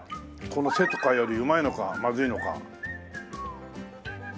このせとかよりうまいのかまずいのか。